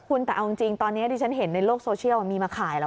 คุณแต่เอาจริงตอนนี้ที่ฉันเห็นในโลกโซเชียลมีมาขายแล้ว